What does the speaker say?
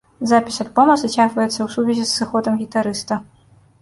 Запіс альбома зацягваецца ў сувязі з сыходам гітарыста.